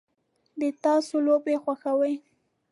د تاسو لوبې خوښوئ؟